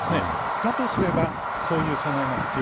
だとすれば、そういう備えが必要。